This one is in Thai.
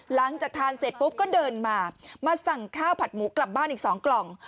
หลังจากทานเสร็จปุ๊บก็เดินมามาสั่งข้าวผัดหมูกลับบ้านอีก๒กล่อง